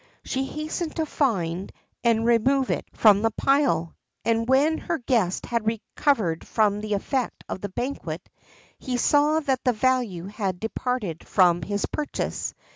She hastened to find and remove it from the pile; and, when her guest had recovered from the effect of the banquet, he saw that the value had departed from his purchase.